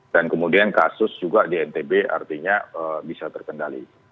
dan kemudian kasus juga di ntb artinya bisa terkendali